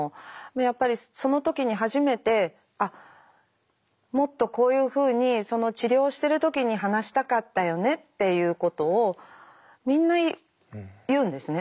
やっぱりその時に初めてあっもっとこういうふうにその治療をしてる時に話したかったよねっていうことをみんな言うんですね。